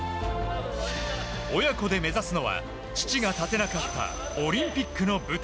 親子で目指すのは父が立てなかったオリンピックの舞台。